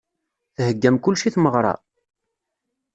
Theggam kullec i tmeɣra?